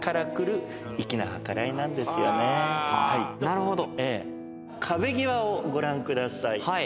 なるほど。